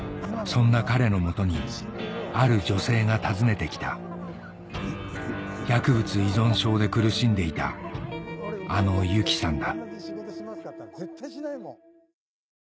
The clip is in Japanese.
そんな彼の元にある女性が訪ねて来た薬物依存症で苦しんでいたあのユキさんだ